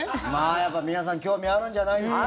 やっぱり皆さん興味あるんじゃないですか。